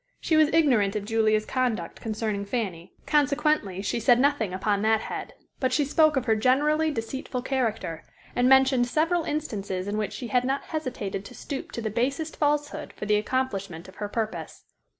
She was ignorant of Julia's conduct concerning Fanny, consequently she said nothing upon that head, but she spoke of her generally deceitful character, and mentioned several instances in which she had not hesitated to stoop to the basest falsehood for the accomplishment of her purpose.